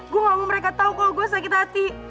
gue gak mau mereka tau kalau gue sakit hati